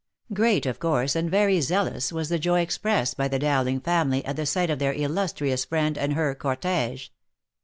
Great, of course, and very zealous was the joy expressed by the Dowling family at the sight of their illustrious friend and her cor tege.